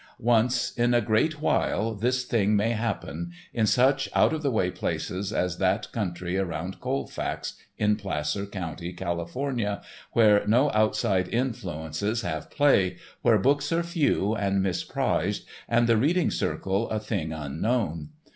Once in a great while this thing may happen—in such out of the way places as that country around Colfax in Placer County, California, where no outside influences have play, where books are few and misprized and the reading circle a thing unknown.